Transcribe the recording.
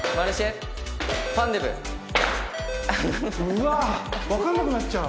うわ分かんなくなっちゃう。